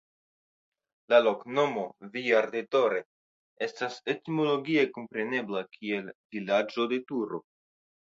La loknomo "Villar de Torre" estas etimologie komprenebla kiel "Vilaĝo de Turo".